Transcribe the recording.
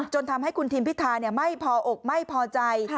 จนทำให้คุณทิมพิธาไม่พออกไม่พอใจ